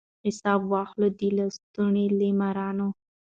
حساب واخلو د لستوڼي له مارانو